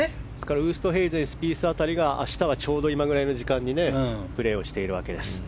ウーストヘイゼンスピース辺りが明日はちょうど今ぐらいの時間にプレーしているわけです。